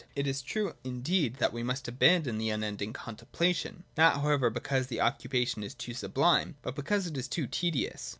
It is true indeed that we must abandon the unending contemplation, not however because the occu pation is too sublime, but because it is too tedious.